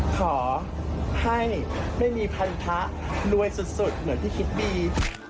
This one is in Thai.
ขอให้ไม่มีพันธะรวยสุดเหมือนที่คิดดี